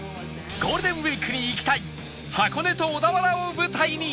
ゴールデンウィークに行きたい箱根と小田原を舞台に